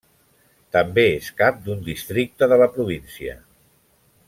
També és cap d'un districte de la província.